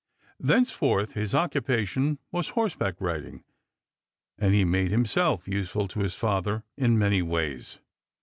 Thenceforth his occupation was horseback riding, and he made himself useful to his father in many ways.